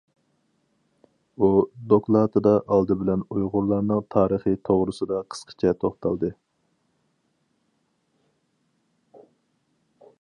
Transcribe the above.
ئۇ، دوكلاتىدا ئالدى بىلەن ئۇيغۇرلارنىڭ تارىخى توغرىسىدا قىسقىچە توختالدى.